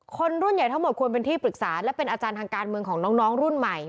คนรุ่นใหญ่ทั้งหมดควรเป็นที่ปรึกษาและเป็นอาจารย์ทางการเมืองของน้องรุ่นใหม่